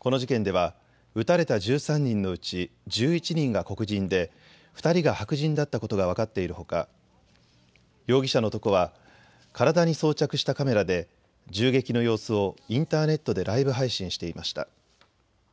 この事件では撃たれた１３人のうち１１人が黒人で２人が白人だったことが分かっているほか容疑者の男は体に装着したカメラで銃撃の様子をインターネットでライブ配信していました。